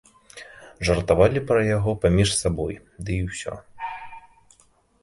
Жартавалі пра яго паміж сабой, ды і ўсё.